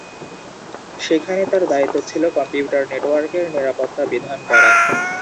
সেখানে তার দায়িত্ব ছিল কম্পিউটার নেটওয়ার্কের নিরাপত্তা বিধান করা।